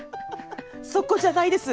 そこじゃないです！